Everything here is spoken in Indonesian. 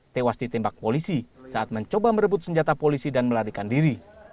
tewas ditembak polisi saat mencoba merebut senjata polisi dan melarikan diri